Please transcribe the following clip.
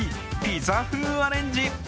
ピザ風アレンジ。